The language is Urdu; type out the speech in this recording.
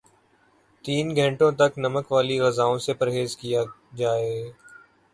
تین گھنٹوں تک نمک والی غذاوں سے پرہیز کیا جائے